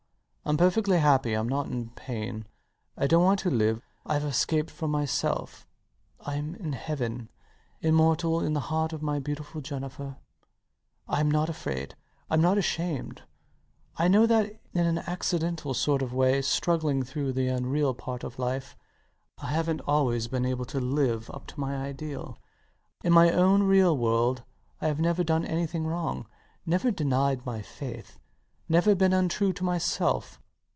I'm perfectly happy. I'm not in pain. I don't want to live. Ive escaped from myself. I'm in heaven, immortal in the heart of my beautiful Jennifer. I'm not afraid, and not ashamed. [Reflectively, puzzling it out for himself weakly] I know that in an accidental sort of way, struggling through the unreal part of life, I havnt always been able to live up to my ideal. But in my own real world I have never done anything wrong, never denied my faith, never been untrue to myself.